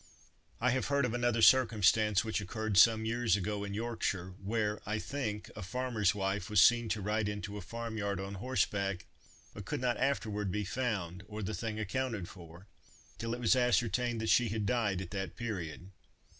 I have heard of another circumstance, which occurred some years ago in Yorkshire, where, I think, a farmer's wife was seen to ride into a farm yard on horseback, but could not be afterward found, or the thing accounted for, till it was ascertained that she had died at that period.